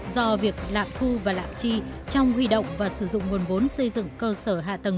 do việc lạm thu và lạm tri trong huy động và sử dụng nguồn vốn xây dựng cơ sở hạ tầng